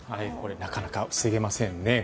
なかなか防げませんね。